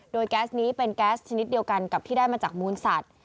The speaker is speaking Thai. โดยแก๊สนี้เป็นแก๊สชนิดเดียวกันกับที่ได้มาจากมูลสัตว